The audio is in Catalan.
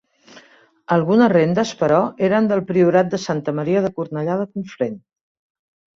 Algunes rendes, però, eren del priorat de Santa Maria de Cornellà de Conflent.